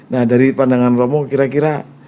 nah dari pandangan orang lain kira kira